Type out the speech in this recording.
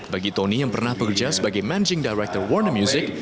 bagi tony yang pernah bekerja sebagai managing director warning music